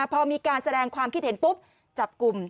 พอมีการแสดงความคิดเห็นปุ๊บจับกลุ่ม